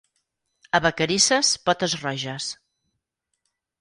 A Vacarisses, potes roges.